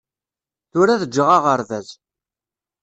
Tura ad ǧǧeɣ aɣerbaz